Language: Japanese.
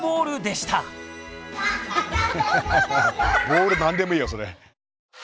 ボール何でもいいよそれ。